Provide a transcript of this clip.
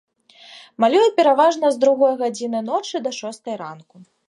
Малюю пераважна з другой гадзіны ночы да шостай ранку.